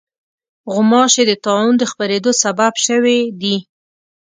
غوماشې د طاعون د خپرېدو سبب شوې دي.